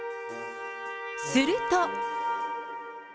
すると。